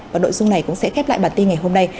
và nội dung này cũng sẽ khép lại bản tin ngày hôm nay